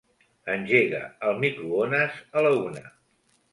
Engega el microones a la una.